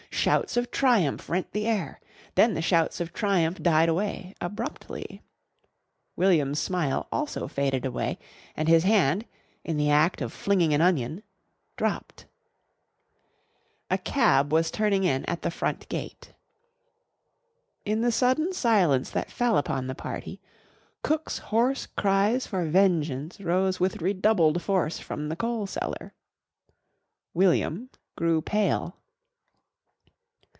Shouts of triumph rent the air. Then the shouts of triumph died away abruptly. William's smile also faded away, and his hand, in the act of flinging an onion, dropped. A cab was turning in at the front gate. In the sudden silence that fell upon the party, cook's hoarse cries for vengeance rose with redoubled force from the coal cellar. William grew pale.